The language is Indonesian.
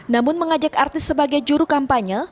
namun mengajak artis sebagai juru kampanye